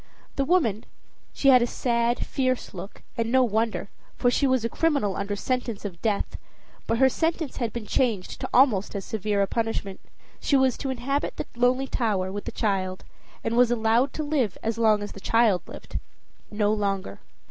The woman she had a sad, fierce look, and no wonder, for she was a criminal under sentence of death, but her sentence had been changed to almost as severe a punishment. She was to inhabit the lonely tower with the child, and was allowed to live as long as the child lived no longer.